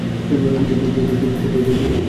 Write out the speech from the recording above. যেহেতু খুব ভয় পেয়েছে, বেচারা।